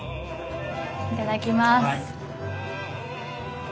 いただきます。